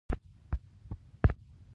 هغه مرهټیانو ته تباه کوونکې ماته ورکړه.